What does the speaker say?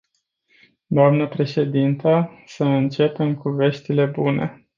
Dnă președintă, să începem cu veștile bune.